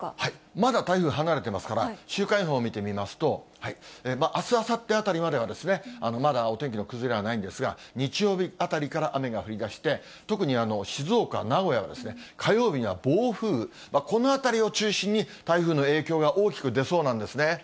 まだ台風、離れていますから、週間予報を見てみますと、あす、あさってあたりまではまだお天気の崩れはないんですが、日曜日あたりから雨が降りだして、特に静岡、名古屋は火曜日には暴風雨、このあたりを中心に台風の影響が大きく出そうなんですね。